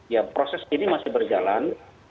ya proses ini masih berjalan